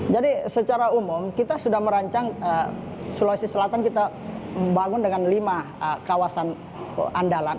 jadi secara umum kita sudah merancang sulawesi selatan kita membangun dengan lima kawasan andalan